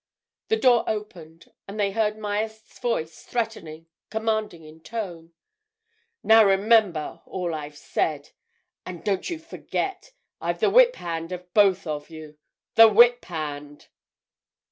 The door opened. And they heard Myerst's voice, threatening, commanding in tone. "Now, remember all I've said! And don't you forget—I've the whip hand of both of you—the whip hand!"